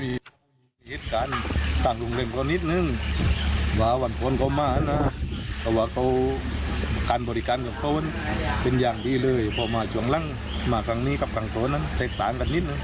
มาทางนี้กับทางตัวนั้นแตกต่างกันนิดนึง